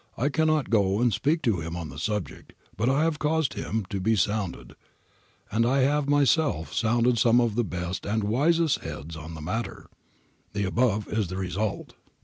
I cannot go and speak to him on the subject, but I have caused him to be sounded, and I have myself sounded some of the best and wisest heads on the matter ;— the above is the result.'